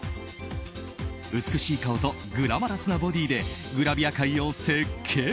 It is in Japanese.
美しい顔とグラマラスなボディーでグラビア界を席巻。